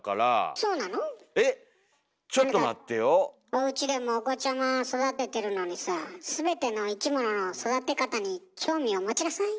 おうちでもお子ちゃま育ててるのにさ全ての生き物の育て方に興味を持ちなさい。